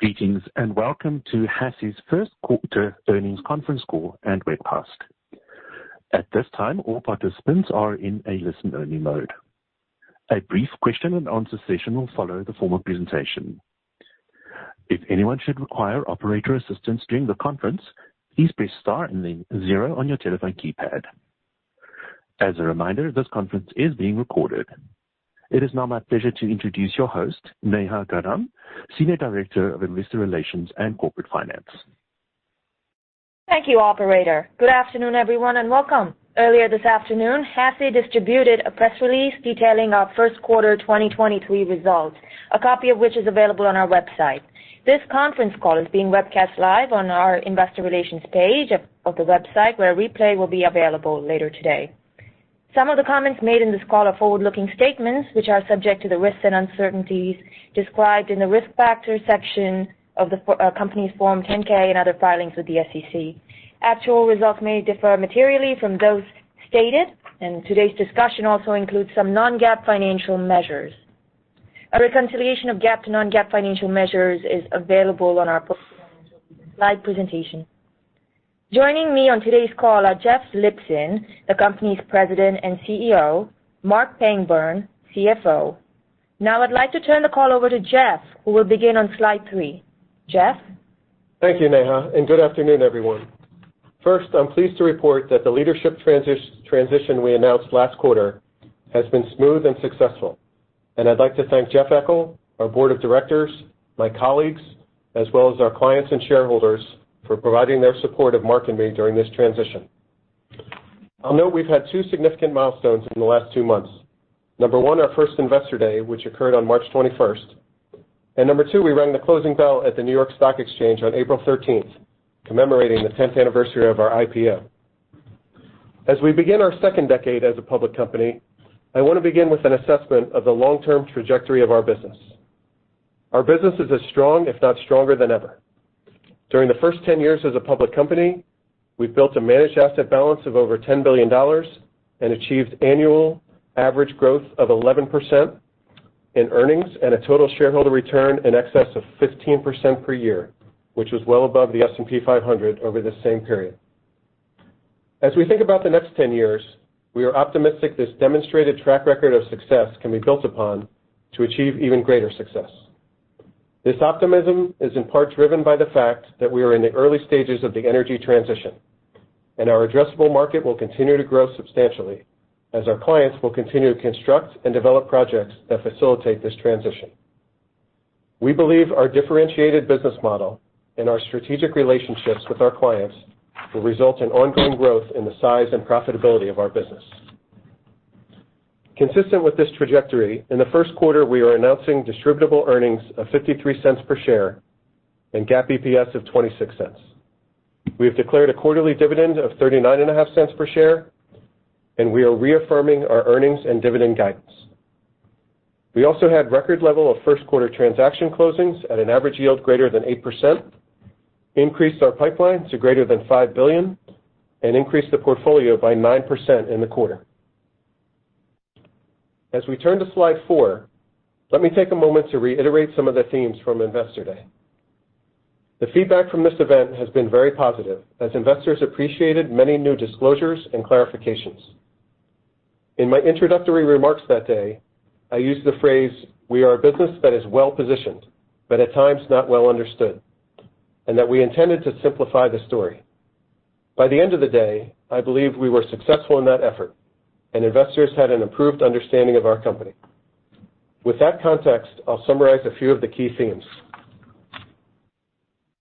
Greetings, welcome to HASI's first quarter earnings conference call and webcast. At this time, all participants are in a listen-only mode. A brief question and answer session will follow the formal presentation. If anyone should require operator assistance during the conference, please press star and then zero on your telephone keypad. As a reminder, this conference is being recorded. It is now my pleasure to introduce your host, Neha Gaddam, Senior Director of Investor Relations and Corporate Finance. Thank you, operator. Good afternoon, everyone, and welcome. Earlier this afternoon, HASI distributed a press release detailing our first quarter 2023 results, a copy of which is available on our website. This conference call is being webcast live on our investor relations page of the website where a replay will be available later today. Some of the comments made in this call are forward-looking statements, which are subject to the risks and uncertainties described in the Risk Factors section of the company's Form 10-K and other filings with the SEC. Actual results may differ materially from those stated. Today's discussion also includes some non-GAAP financial measures. A reconciliation of GAAP to non-GAAP financial measures is available on our slide presentation. Joining me on today's call are Jeff Lipson, the company's President and CEO, Marc Pangburn, CFO. Now I'd like to turn the call over to Jeff, who will begin on Slide 3. Jeff? Thank you, Neha, and good afternoon, everyone. First, I'm pleased to report that the leadership transition we announced last quarter has been smooth and successful, and I'd like to thank Jeff Eckel, our Board of Directors, my colleagues, as well as our clients and shareholders for providing their support of Mark and me during this transition. I'll note we've had two significant milestones in the last two months. Number one, our first Investor Day, which occurred on March 21st, and number two, we rang the closing bell at the New York Stock Exchange on April 13th, commemorating the 10th anniversary of our IPO. As we begin our second decade as a public company, I wanna begin with an assessment of the long-term trajectory of our business. Our business is as strong, if not stronger than ever. During the first 10 years as a public company, we've built a managed asset balance of over $10 billion and achieved annual average growth of 11% in earnings and a total shareholder return in excess of 15% per year, which was well above the S&P 500 over the same period. As we think about the next 10 years, we are optimistic this demonstrated track record of success can be built upon to achieve even greater success. This optimism is in part driven by the fact that we are in the early stages of the energy transition, and our addressable market will continue to grow substantially as our clients will continue to construct and develop projects that facilitate this transition. We believe our differentiated business model and our strategic relationships with our clients will result in ongoing growth in the size and profitability of our business. Consistent with this trajectory, in the first quarter, we are announcing distributable earnings of $0.53 per share and GAAP EPS of $0.26. We have declared a quarterly dividend of thirty-nine and a half cents per share. We are reaffirming our earnings and dividend guidance. We also had record level of first quarter transaction closings at an average yield greater than 8%, increased our pipeline to greater than $5 billion, and increased the portfolio by 9% in the quarter. As we turn to Slide 4, let me take a moment to reiterate some of the themes from Investor Day. The feedback from this event has been very positive, as investors appreciated many new disclosures and clarifications. In my introductory remarks that day, I used the phrase, "We are a business that is well-positioned, but at times not well understood, and that we intended to simplify the story." By the end of the day, I believe we were successful in that effort and investors had an improved understanding of our company. With that context, I'll summarize a few of the key themes.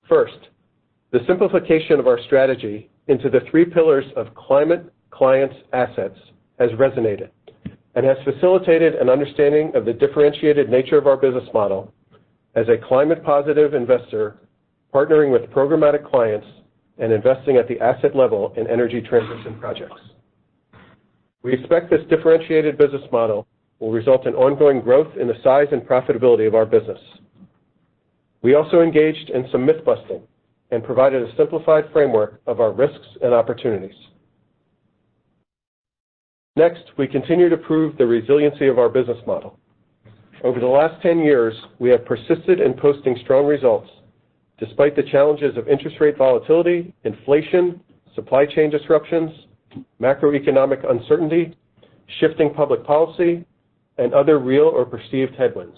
First, the simplification of our strategy into the three pillars of climate, clients, assets has resonated and has facilitated an understanding of the differentiated nature of our business model as a climate positive investor, partnering with programmatic clients and investing at the asset level in energy transition projects. We expect this differentiated business model will result in ongoing growth in the size and profitability of our business. We also engaged in some myth busting and provided a simplified framework of our risks and opportunities. We continue to prove the resiliency of our business model. Over the last 10 years, we have persisted in posting strong results despite the challenges of interest rate volatility, inflation, supply chain disruptions, macroeconomic uncertainty, shifting public policy, and other real or perceived headwinds.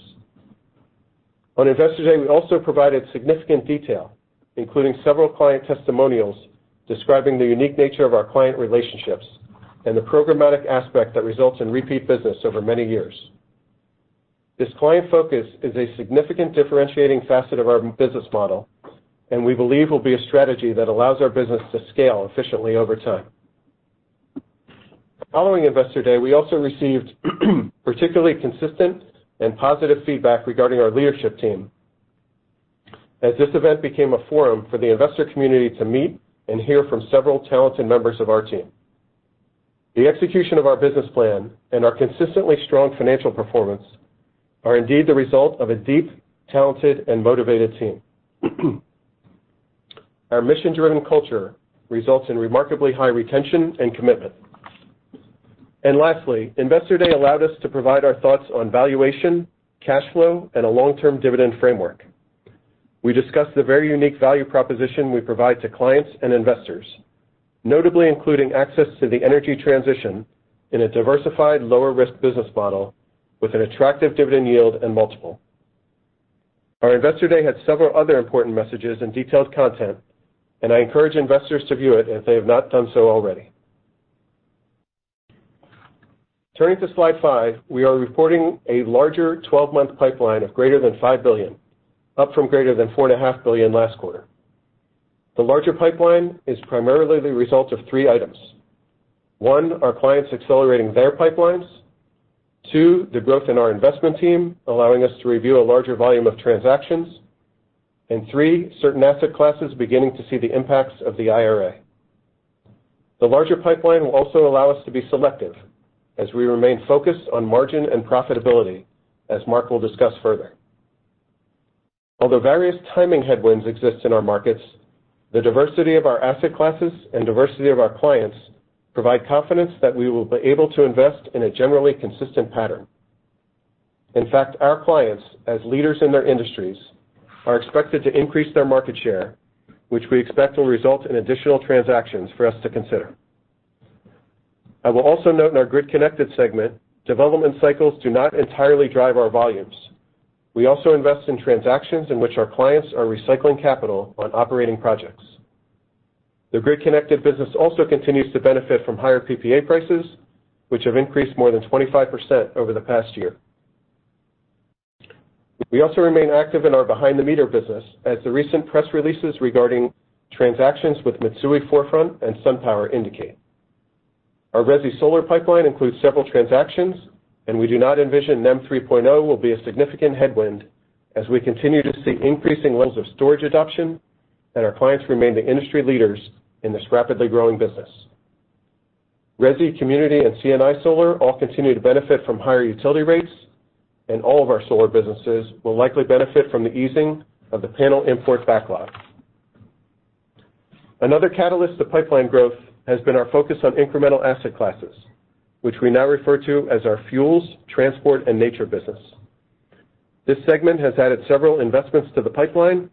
On Investor Day, we also provided significant detail, including several client testimonials describing the unique nature of our client relationships and the programmatic aspect that results in repeat business over many years. This client focus is a significant differentiating facet of our business model, and we believe will be a strategy that allows our business to scale efficiently over time. Following Investor Day, we also received particularly consistent and positive feedback regarding our leadership team, as this event became a forum for the investor community to meet and hear from several talented members of our team. The execution of our business plan and our consistently strong financial performance are indeed the result of a deep, talented, and motivated team. Our mission-driven culture results in remarkably high retention and commitment. Lastly, Investor Day allowed us to provide our thoughts on valuation, cash flow, and a long-term dividend framework. We discussed the very unique value proposition we provide to clients and investors, notably including access to the energy transition in a diversified, lower-risk business model with an attractive dividend yield and multiple. Our Investor Day had several other important messages and detailed content. I encourage investors to view it if they have not done so already. Turning to Slide 5, we are reporting a larger 12-month pipeline of greater than $5 billion, up from greater than four and a half billion last quarter. The larger pipeline is primarily the result of three items. One, our clients accelerating their pipelines. Two, the growth in our investment team allowing us to review a larger volume of transactions. Three, certain asset classes beginning to see the impacts of the IRA. The larger pipeline will also allow us to be selective as we remain focused on margin and profitability, as Marc will discuss further. Although various timing headwinds exist in our markets, the diversity of our asset classes and diversity of our clients provide confidence that we will be able to invest in a generally consistent pattern. In fact, our clients, as leaders in their industries, are expected to increase their market share, which we expect will result in additional transactions for us to consider. I will also note in our grid-connected segment, development cycles do not entirely drive our volumes. We also invest in transactions in which our clients are recycling capital on operating projects. The grid-connected business also continues to benefit from higher PPA prices, which have increased more than 25% over the past year. We also remain active in our behind-the-meter business, as the recent press releases regarding transactions with Mitsui ForeFront and SunPower indicate. Our resi solar pipeline includes several transactions, and we do not envision NEM 3.0 will be a significant headwind as we continue to see increasing levels of storage adoption and our clients remain the industry leaders in this rapidly growing business. Resi, community, and C&I solar all continue to benefit from higher utility rates, and all of our solar businesses will likely benefit from the easing of the panel import backlog. Another catalyst to pipeline growth has been our focus on incremental asset classes, which we now refer to as our Fuels, Transport, and Nature business. This segment has added several investments to the pipeline,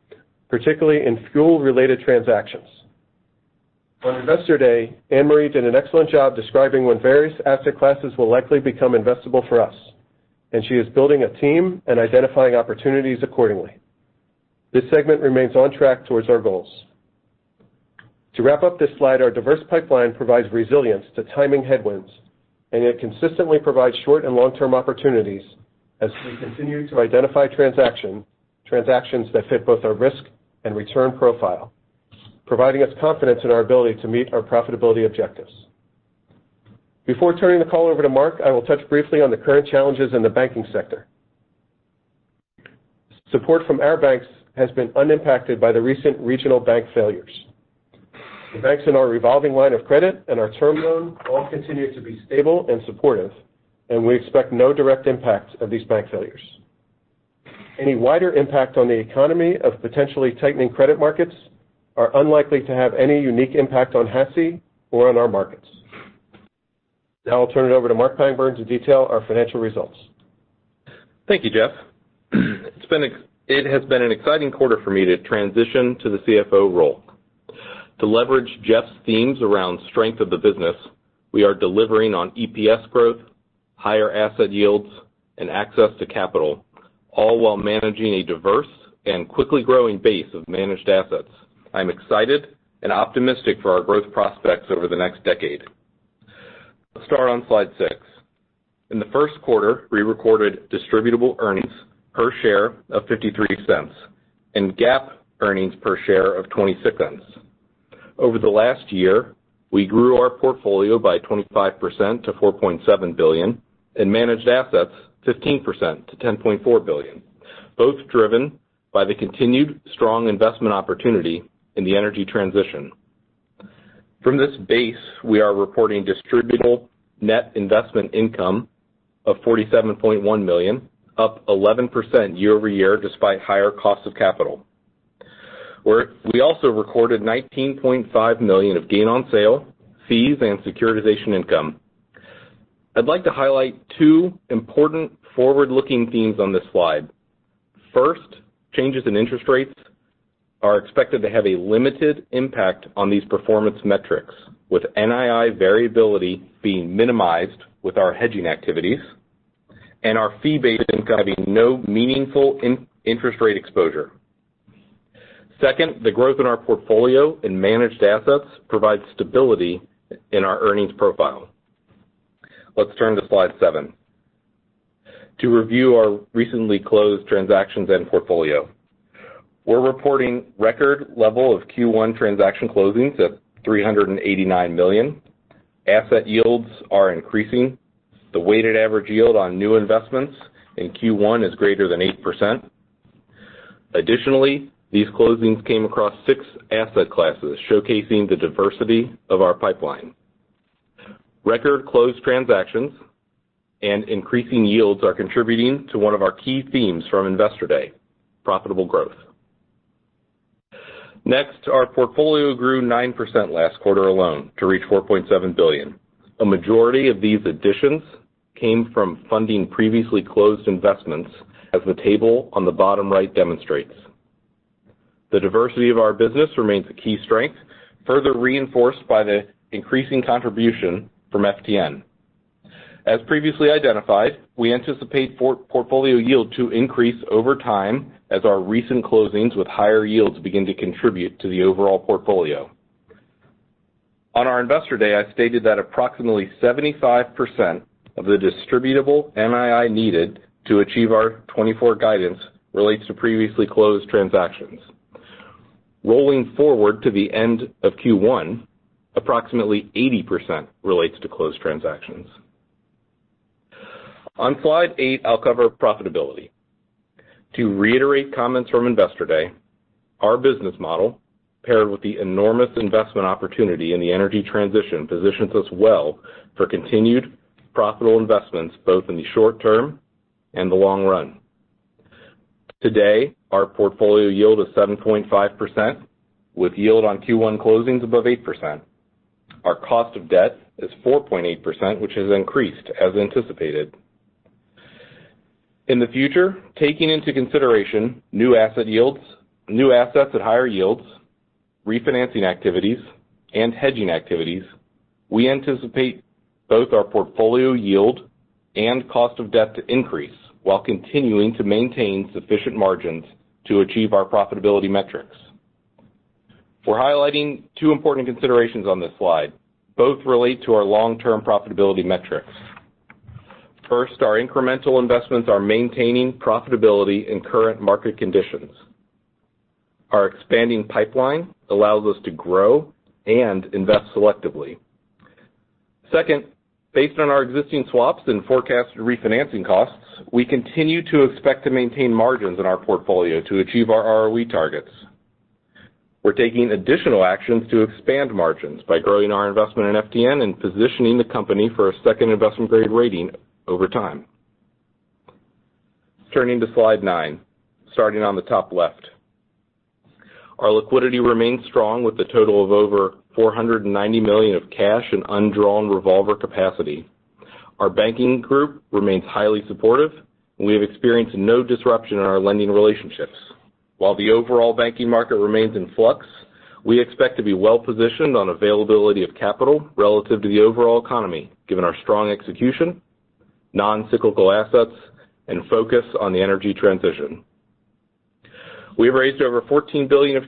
particularly in fuel-related transactions. On Investor Day, Anne-Marie did an excellent job describing when various asset classes will likely become investable for us, and she is building a team and identifying opportunities accordingly. This segment remains on track towards our goals. To wrap up this slide, our diverse pipeline provides resilience to timing headwinds, and it consistently provides short and long-term opportunities as we continue to identify transactions that fit both our risk and return profile, providing us confidence in our ability to meet our profitability objectives. Before turning the call over to Marc, I will touch briefly on the current challenges in the banking sector. Support from our banks has been unimpacted by the recent regional bank failures. The banks in our revolving line of credit and our Term Loan A all continue to be stable and supportive, and we expect no direct impact of these bank failures. Any wider impact on the economy of potentially tightening credit markets are unlikely to have any unique impact on HASI or on our markets. I'll turn it over to Marc Pangburn to detail our financial results. Thank you, Jeff. It has been an exciting quarter for me to transition to the CFO role. To leverage Jeff's themes around strength of the business, we are delivering on EPS growth, higher asset yields, and access to capital, all while managing a diverse and quickly growing base of managed assets. I'm excited and optimistic for our growth prospects over the next decade. Let's start on Slide 6. In the first quarter, we recorded distributable earnings per share of $0.53 and GAAP earnings per share of $0.26. Over the last year, we grew our portfolio by 25% to $4.7 billion and managed assets 15% to $10.4 billion, both driven by the continued strong investment opportunity in the energy transition. From this base, we are reporting Distributable Net Investment Income of $47.1 million, up 11% year-over-year despite higher cost of capital. We also recorded $19.5 million of gain on sale, fees, and securitization income. I'd like to highlight two important forward-looking themes on this slide. First, changes in interest rates are expected to have a limited impact on these performance metrics, with NII variability being minimized with our hedging activities and our fee-based income having no meaningful in-interest rate exposure. Second, the growth in our portfolio and managed assets provide stability in our earnings profile. Let's turn to Slide 7 to review our recently closed transactions and portfolio. We're reporting record level of Q1 transaction closings at $389 million. Asset yields are increasing. The weighted average yield on new investments in Q1 is greater than 8%. Additionally, these closings came across six asset classes, showcasing the diversity of our pipeline. Record closed transactions and increasing yields are contributing to one of our key themes from Investor Day, profitable growth. Next, our portfolio grew 9% last quarter alone to reach $4.7 billion. A majority of these additions came from funding previously closed investments, as the table on the bottom right demonstrates. The diversity of our business remains a key strength, further reinforced by the increasing contribution from FTN. As previously identified, we anticipate portfolio yield to increase over time as our recent closings with higher yields begin to contribute to the overall portfolio. On our Investor Day, I stated that approximately 75% of the distributable NII needed to achieve our 2024 guidance relates to previously closed transactions. Rolling forward to the end of Q1, approximately 80% relates to closed transactions. On Slide 8, I'll cover profitability. To reiterate comments from Investor Day, our business model, paired with the enormous investment opportunity in the energy transition, positions us well for continued profitable investments, both in the short term and the long run. Today, our portfolio yield is 7.5%, with yield on Q1 closings above 8%. Our cost of debt is 4.8%, which has increased as anticipated. In the future, taking into consideration new asset yields, new assets at higher yields, refinancing activities, and hedging activities, we anticipate both our portfolio yield and cost of debt to increase while continuing to maintain sufficient margins to achieve our profitability metrics. We're highlighting two important considerations on this slide. Both relate to our long-term profitability metrics. First, our incremental investments are maintaining profitability in current market conditions. Our expanding pipeline allows us to grow and invest selectively. Second, based on our existing swaps and forecasted refinancing costs, we continue to expect to maintain margins in our portfolio to achieve our ROE targets. We're taking additional actions to expand margins by growing our investment in FTN and positioning the company for a second investment-grade rating over time. Turning to Slide 9, starting on the top left. Our liquidity remains strong with a total of over $490 million of cash and undrawn revolver capacity. Our banking group remains highly supportive, and we have experienced no disruption in our lending relationships. While the overall banking market remains in flux, we expect to be well-positioned on availability of capital relative to the overall economy, given our strong execution, non-cyclical assets, and focus on the energy transition. We have raised over $14 billion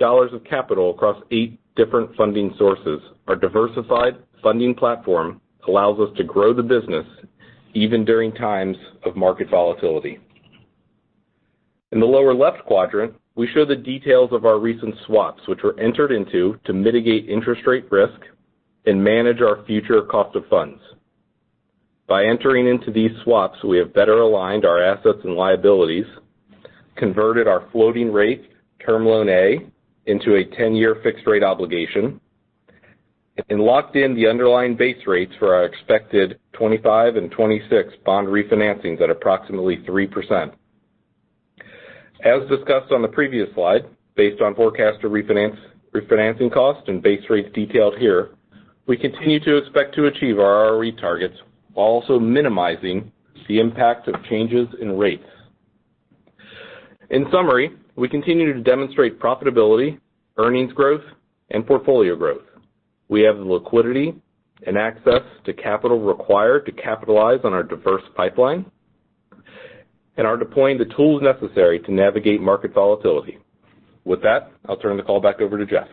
of capital across eight different funding sources. Our diversified funding platform allows us to grow the business even during times of market volatility. In the lower left quadrant, we show the details of our recent swaps, which were entered into to mitigate interest rate risk and manage our future cost of funds. By entering into these swaps, we have better aligned our assets and liabilities, converted our floating rate Term Loan A into a 10-year fixed rate obligation, and locked in the underlying base rates for our expected 2025 and 2026 bond refinancings at approximately 3%. As discussed on the previous slide, based on forecasted refinancing costs and base rates detailed here, we continue to expect to achieve our ROE targets while also minimizing the impact of changes in rates. In summary, we continue to demonstrate profitability, earnings growth, and portfolio growth. We have the liquidity and access to capital required to capitalize on our diverse pipeline and are deploying the tools necessary to navigate market volatility. With that, I'll turn the call back over to Jeff.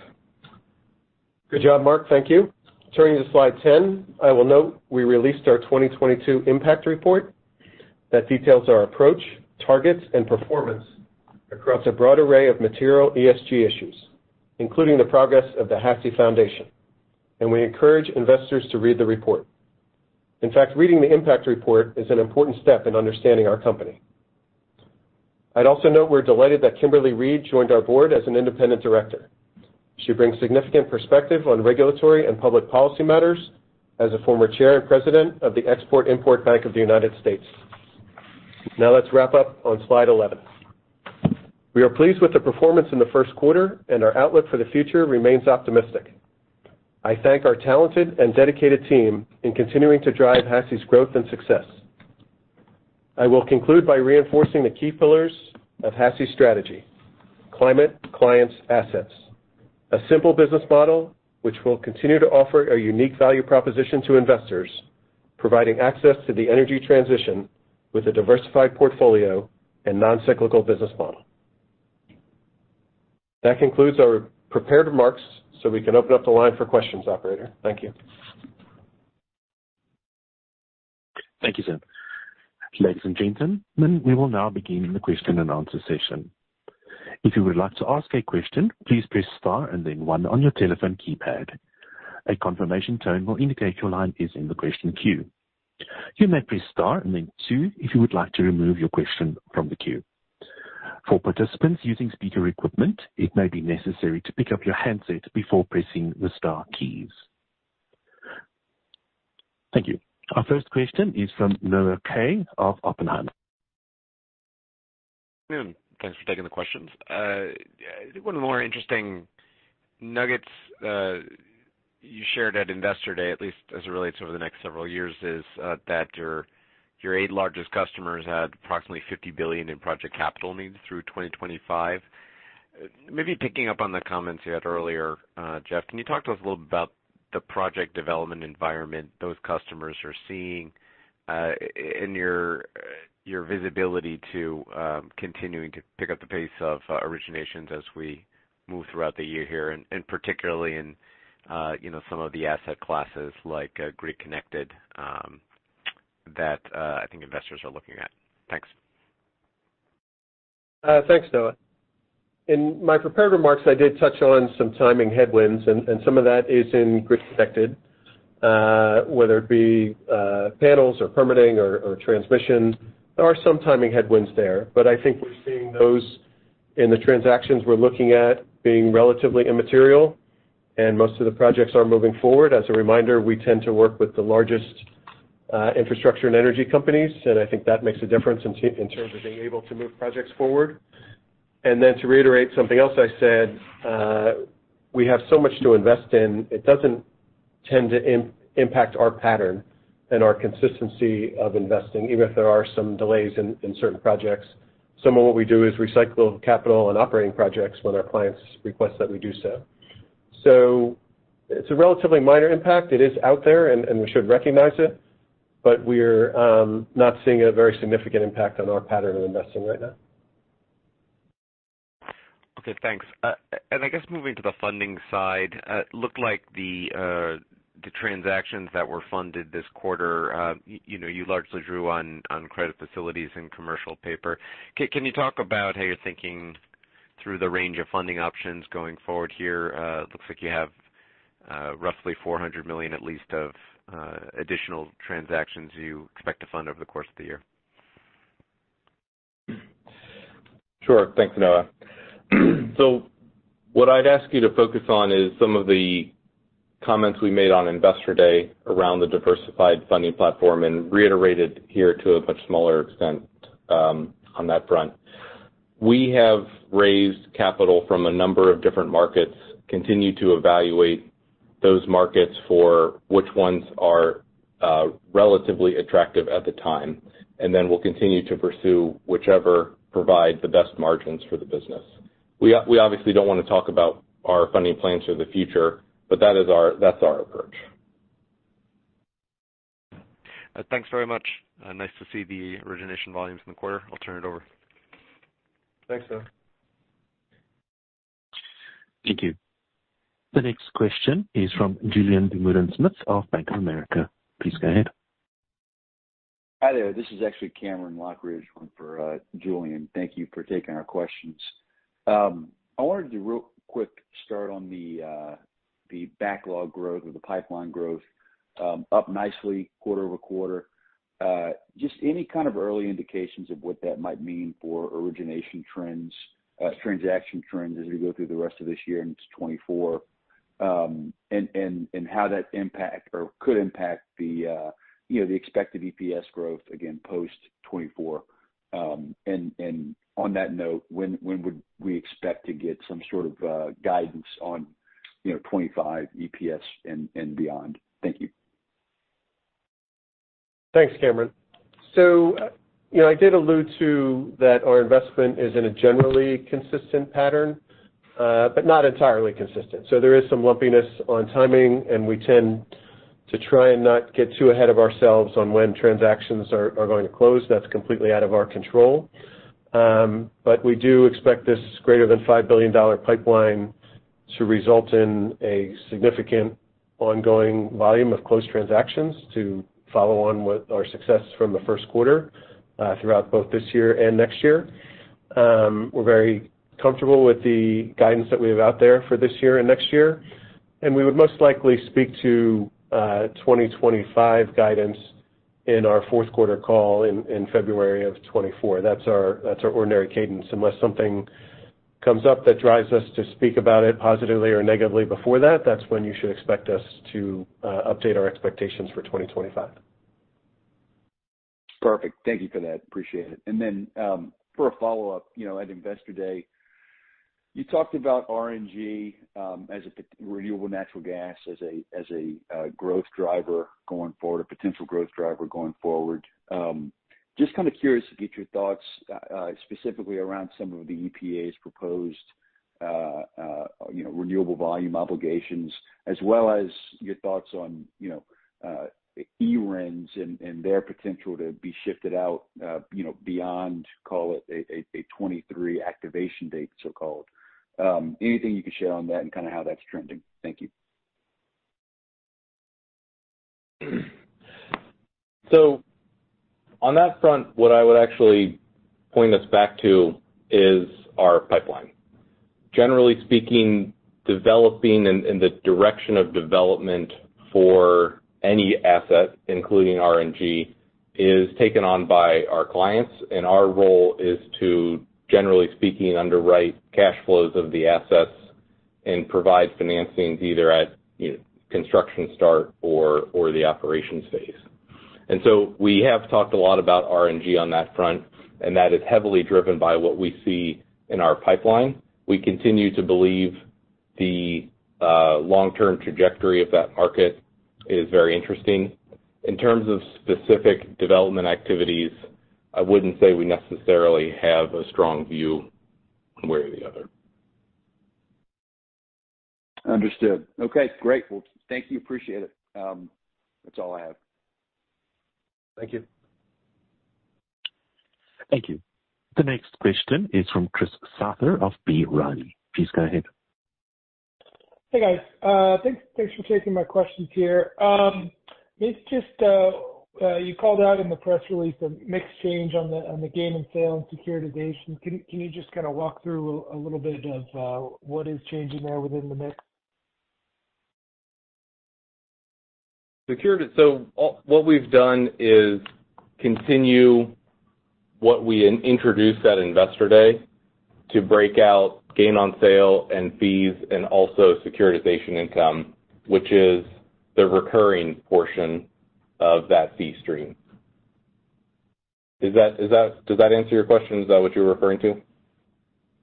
Good job, Marc. Thank you. Turning to Slide 10, I will note we released our 2022 impact report that details our approach, targets, and performance across a broad array of material ESG issues, including the progress of the Hannon Armstrong Foundation. We encourage investors to read the report. In fact, reading the impact report is an important step in understanding our company. I'd also note we're delighted that Kimberly Reed joined our board as an Independent Director. She brings significant perspective on regulatory and public policy matters as a former chair and president of the Export-Import Bank of the United States. Let's wrap up on Slide 11. We are pleased with the performance in the first quarter. Our outlook for the future remains optimistic. I thank our talented and dedicated team in continuing to drive HASI's growth and success. I will conclude by reinforcing the key pillars of HASI's strategy: climate, clients, assets. A simple business model which will continue to offer a unique value proposition to investors, providing access to the energy transition with a diversified portfolio and non-cyclical business model. That concludes our prepared remarks. We can open up the line for questions, operator. Thank you. Thank you, sir. Ladies and gentlemen, we will now begin the question and answer session. If you would like to ask a question, please press star and then one on your telephone keypad. A confirmation tone will indicate your line is in the question queue. You may press star and then two if you would like to remove your question from the queue. For participants using speaker equipment, it may be necessary to pick up your handset before pressing the star keys. Thank you. Our first question is from Noah Kaye of Oppenheimer. Good afternoon. Thanks for taking the questions. One more interesting nuggets you shared at Investor Day, at least as it relates over the next several years, is that your eight largest customers had approximately $50 billion in project capital needs through 2025. Maybe picking up on the comments you had earlier, Jeff, can you talk to us a little bit about the project development environment those customers are seeing in your visibility to continuing to pick up the pace of originations as we move throughout the year here, and particularly in, you know, some of the asset classes like grid connected that I think investors are looking at. Thanks. Thanks, Noah. In my prepared remarks, I did touch on some timing headwinds, and some of that is in grid connected, whether it be panels or permitting or transmission. There are some timing headwinds there, but I think we're seeing those in the transactions we're looking at being relatively immaterial and most of the projects are moving forward. As a reminder, we tend to work with the largest infrastructure and energy companies, and I think that makes a difference in terms of being able to move projects forward. To reiterate something else I said, we have so much to invest in, it doesn't tend to impact our pattern and our consistency of investing, even if there are some delays in certain projects. Some of what we do is recycle capital and operating projects when our clients request that we do so. It's a relatively minor impact. It is out there and we should recognize it. We're not seeing a very significant impact on our pattern of investing right now. Okay, thanks. I guess moving to the funding side, looked like the transactions that were funded this quarter, you know, you largely drew on credit facilities and commercial paper. Can you talk about how you're thinking through the range of funding options going forward here? It looks like you have roughly $400 million at least of additional transactions you expect to fund over the course of the year. Sure. Thanks, Noah. What I'd ask you to focus on is some of the comments we made on Investor Day around the diversified funding platform and reiterated here to a much smaller extent, on that front. We have raised capital from a number of different markets, continue to evaluate those markets for which ones are relatively attractive at the time, and then we'll continue to pursue whichever provides the best margins for the business. We obviously don't want to talk about our funding plans for the future, but that's our approach. Thanks very much. Nice to see the origination volumes in the quarter. I'll turn it over. Thanks, Noah. Thank you. The next question is from Julien Dumoulin-Smith of Bank of America. Please go ahead. Hi there. This is actually Cameron Lochridge for Julien. Thank you for taking our questions. I wanted to do a real quick start on the backlog growth or the pipeline growth, up nicely quarter-over-quarter. Just any kind of early indications of what that might mean for origination trends, transaction trends as we go through the rest of this year into 2024, and how that impact or could impact the, you know, the expected EPS growth again post 2024. And on that note, when would we expect to get some sort of guidance on, you know, 2025 EPS and beyond? Thank you. Thanks, Cameron. You know, I did allude to that our investment is in a generally consistent pattern, but not entirely consistent. There is some lumpiness on timing, and we tend to try and not get too ahead of ourselves on when transactions are going to close. That's completely out of our control. But we do expect this greater than $5 billion pipeline to result in a significant ongoing volume of closed transactions to follow on with our success from the first quarter throughout both this year and next year. We're very comfortable with the guidance that we have out there for this year and next year, and we would most likely speak to 2025 guidance in our fourth quarter call in February of 2024. That's our ordinary cadence. Unless something comes up that drives us to speak about it positively or negatively before that's when you should expect us to update our expectations for 2025. Perfect. Thank you for that. Appreciate it. Then, for a follow-up, you know, at Investor Day, you talked about RNG, renewable natural gas as a, as a growth driver going forward, a potential growth driver going forward. Just kind of curious to get your thoughts specifically around some of the EPA's proposed, you know, Renewable Volume Obligations, as well as your thoughts on, you know, [eRINs] and their potential to be shifted out, you know, beyond, call it a 2023 activation date, so-called. Anything you can share on that and kind of how that's trending. Thank you. On that front, what I would actually point us back to is our pipeline. Generally speaking, developing and the direction of development for any asset, including RNG, is taken on by our clients. Our role is to, generally speaking, underwrite cash flows of the assets and provide financings either at, you know, construction start or the operations phase. We have talked a lot about RNG on that front, and that is heavily driven by what we see in our pipeline. We continue to believe the long-term trajectory of that market is very interesting. In terms of specific development activities, I wouldn't say we necessarily have a strong view one way or the other. Understood. Okay, great. Well, thank you, appreciate it. That's all I have. Thank you. Thank you. The next question is from Chris Souther of B. Riley. Please go ahead. Hey, guys. Thanks for taking my questions here. Maybe just, you called out in the press release a mix change on the, on the gain and sale and securitization. Can you just kinda walk through a little bit of what is changing there within the mix? All what we've done is continue what we introduced at Investor Day to break out gain on sale and fees and also securitization income, which is the recurring portion of that fee stream. Is that? Does that answer your question? Is that what you're referring to?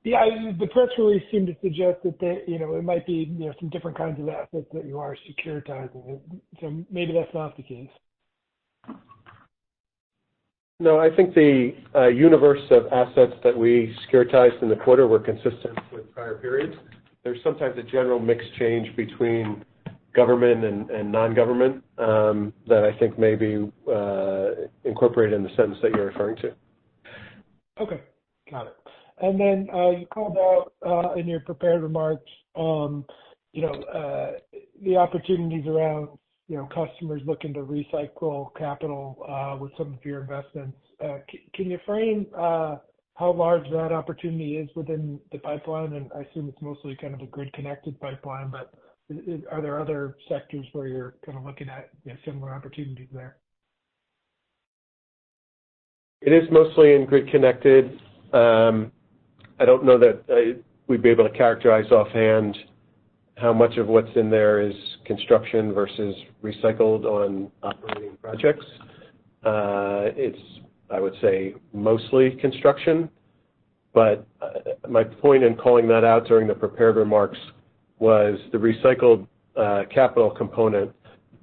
Yeah. The press release seemed to suggest that the, you know, it might be, you know, some different kinds of assets that you are securitizing. Maybe that's not the case. No, I think the universe of assets that we securitized in the quarter were consistent with prior periods. There's sometimes a general mix change between government and non-government, that I think may be incorporated in the sentence that you're referring to. Okay. Got it. You called out, in your prepared remarks, you know, the opportunities around, you know, customers looking to recycle capital, with some of your investments. Can you frame, how large that opportunity is within the pipeline? I assume it's mostly kind of a grid-connected pipeline, but are there other sectors where you're kind of looking at, you know, similar opportunities there? It is mostly in grid connected. I don't know that we'd be able to characterize offhand how much of what's in there is construction versus recycled on operating projects. It's, I would say, mostly construction. My point in calling that out during the prepared remarks was the recycled capital component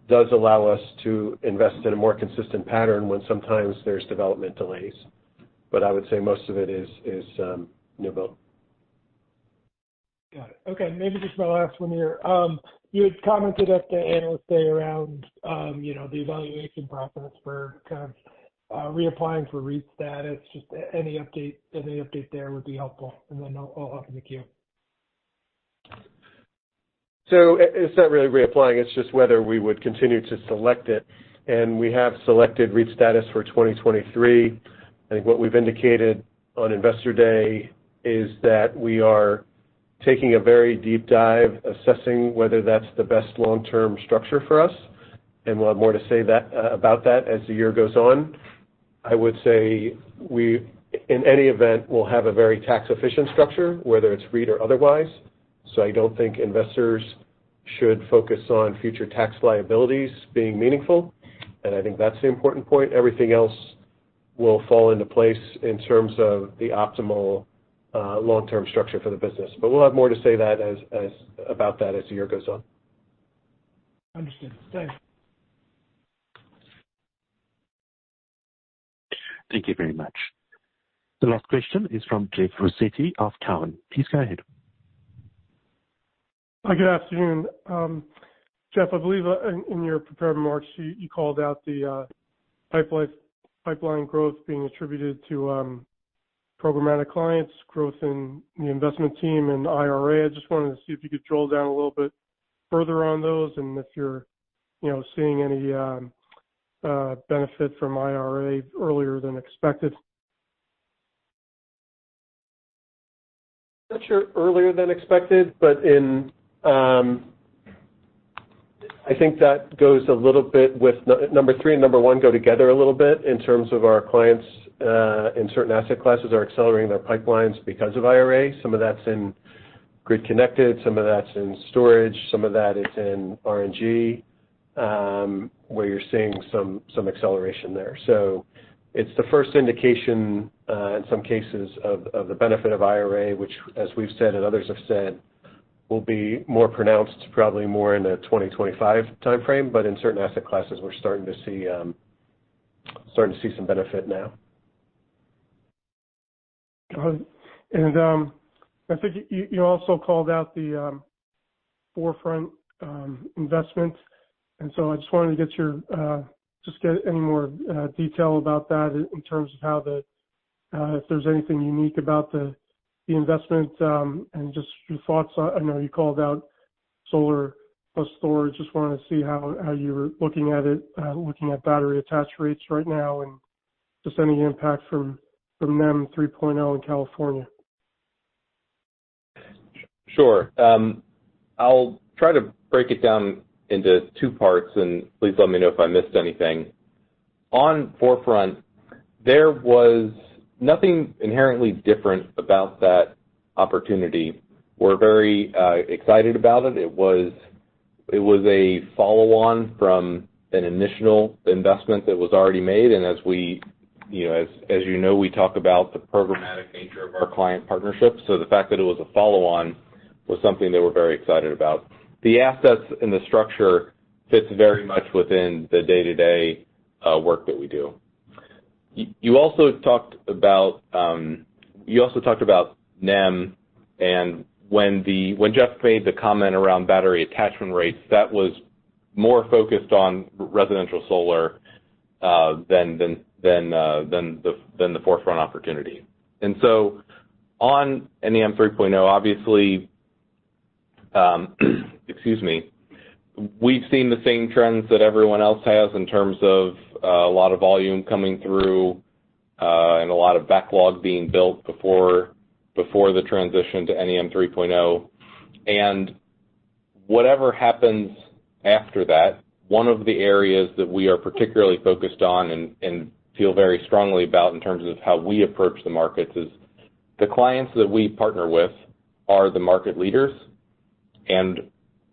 does allow us to invest in a more consistent pattern when sometimes there's development delays. I would say most of it is new build. Got it. Okay, maybe just my last one here. You had commented at the Analyst Day around, you know, the evaluation process for kind of reapplying for REIT status. Just any update there would be helpful. I'll hop in the queue. It's not really reapplying, it's just whether we would continue to select it. We have selected REIT status for 2023. I think what we've indicated on Investor Day is that we are taking a very deep dive assessing whether that's the best long-term structure for us, and we'll have more to say about that as the year goes on. I would say we, in any event, will have a very tax-efficient structure, whether it's REIT or otherwise. I don't think investors should focus on future tax liabilities being meaningful. I think that's the important point. Everything else will fall into place in terms of the optimal long-term structure for the business. We'll have more to say about that as the year goes on. Understood. Thanks. Thank you very much. The last question is from Jeff Rossetti of Cowen. Please go ahead. Hi, good afternoon. Jeff, I believe in your prepared remarks, you called out the pipeline growth being attributed to programmatic clients growth in the investment team and IRA. I just wanted to see if you could drill down a little bit further on those and if you're, you know, seeing any benefit from IRA earlier than expected. Not sure earlier than expected, but in. I think that goes a little bit with number three and number one go together a little bit in terms of our clients, in certain asset classes are accelerating their pipelines because of IRA. Some of that's in grid connected, some of that's in storage, some of that is in RNG, where you're seeing some acceleration there. It's the first indication, in some cases of the benefit of IRA, which as we've said and others have said, will be more pronounced probably more in the 2025 timeframe. In certain asset classes, we're starting to see some benefit now. Got it. I think you also called out the ForeFront investment. I just wanted to get your just get any more detail about that in terms of if there's anything unique about the investment, and just your thoughts. I know you called out solar plus storage. Just wanted to see how you're looking at it, looking at battery attach rates right now and just any impact from NEM 3.0 in California. Sure. I'll try to break it down into two parts, and please let me know if I missed anything. On ForeFront, there was nothing inherently different about that opportunity. We're very excited about it. It was a follow-on from an initial investment that was already made. As we, you know, as you know, we talk about the programmatic nature of our client partnerships. The fact that it was a follow-on was something that we're very excited about. The assets and the structure fits very much within the day-to-day work that we do. You also talked about NEM, and when Jeff made the comment around battery attachment rates, that was more focused on residential solar than the ForeFront opportunity. On NEM 3.0, obviously, excuse me, we've seen the same trends that everyone else has in terms of a lot of volume coming through and a lot of backlog being built before the transition to NEM 3.0. Whatever happens after that, one of the areas that we are particularly focused on and feel very strongly about in terms of how we approach the markets is the clients that we partner with are the market leaders.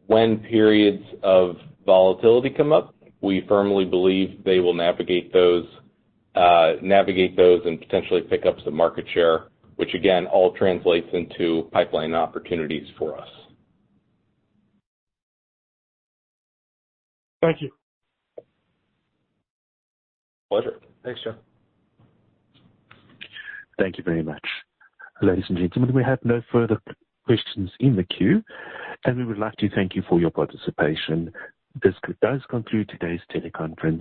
When periods of volatility come up, we firmly believe they will navigate those and potentially pick up some market share, which again all translates into pipeline opportunities for us. Thank you. Pleasure. Thanks, Jeff. Thank you very much. Ladies and gentlemen, we have no further questions in the queue, and we would like to thank you for your participation. This does conclude today's teleconference.